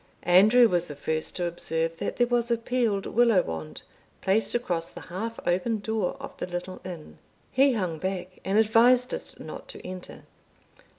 Andrew was the first to observe that there was a peeled willow wand placed across the half open door of the little inn. He hung back and advised us not to enter.